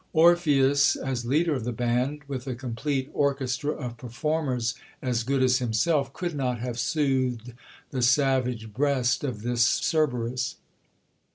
Orpheus as leader of the band, with a complete or chestra of performers as good as himself, could not have soothed the savage breast of this Cerberus.